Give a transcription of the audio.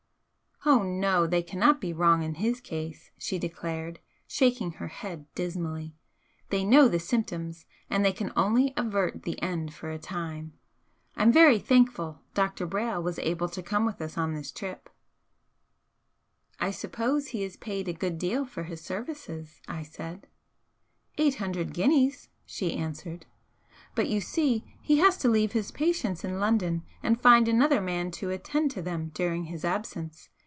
"Oh no, they cannot be wrong in his case," she declared, shaking her head dismally "They know the symptoms, and they can only avert the end for a time. I'm very thankful Dr. Brayle was able to come with us on this trip." "I suppose he is paid a good deal for his services?" I said. "Eight hundred guineas" she answered "But, you see, he has to leave his patients in London, and find another man to attend to them during his absence.